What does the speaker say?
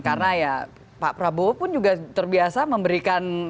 karena ya pak prabowo pun juga terbiasa memberikan